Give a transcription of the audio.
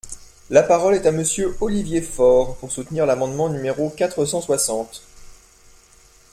La parole est à Monsieur Olivier Faure, pour soutenir l’amendement numéro quatre cent soixante.